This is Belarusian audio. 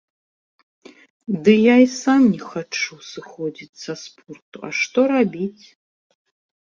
Ды я і сам не хачу сыходзіць са спорту, а што рабіць?